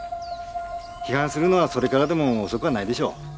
批判するのはそれからでも遅くはないでしょう。